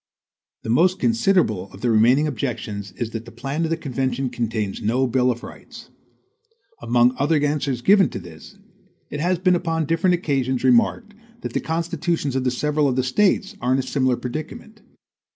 The most considerable of the remaining objections is that the plan of the convention contains no bill of rights. Among other answers given to this, it has been upon different occasions remarked that the constitutions of several of the States are in a similar predicament.